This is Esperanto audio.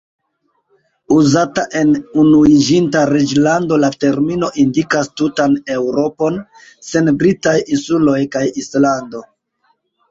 Uzata en Unuiĝinta Reĝlando, la termino indikas tutan Eŭropon, sen Britaj Insuloj kaj Islando.